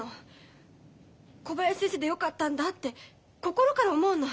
小林先生でよかったんだって心から思うの。